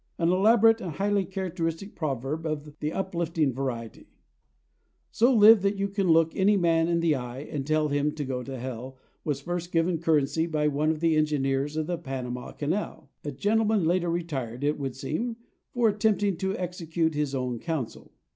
An elaborate and highly characteristic proverb of the uplifting variety "So live that you can look any man in the eye and tell him to go to hell" was first given currency by one of the engineers of the Panama Canal, a gentleman later retired, it would seem, for attempting to execute his own counsel.